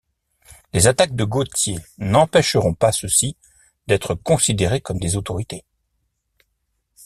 Les attaques de Gautier n'empêcherons pas ceux-ci d'être considérés comme des autorités.